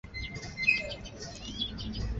黄孟复的外甥为台北市议员侯冠群。